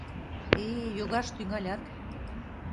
Э-э, йогаш тӱҥалят!..